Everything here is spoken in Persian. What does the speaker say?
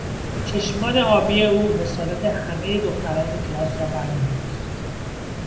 چشمان آبی او حسادت همهی دختران کلاس را برمیانگیخت.